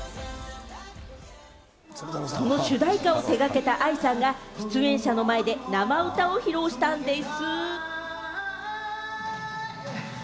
その主題歌を手がけたＡＩさんが出演者の前で生歌を披露したんです。